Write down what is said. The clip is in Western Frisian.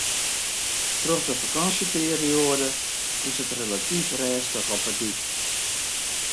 Troch de fakânsjeperioade is it relatyf rêstich op 'e dyk.